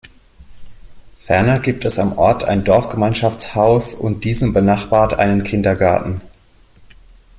Ferner gibt es am Ort ein Dorfgemeinschaftshaus und diesem benachbart einen Kindergarten.